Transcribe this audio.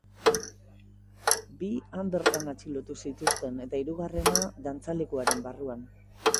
Bi han bertan atxilotu zituzten, eta hirugarrena, dantzalekuaren barruan.